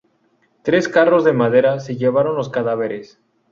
Tres carros de madera se llevaron los cadáveres.